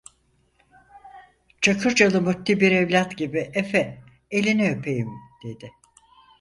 Çakırcalı muti bir evlat gibi: - Efe elini öpeyim dedi.